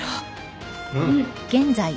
うん。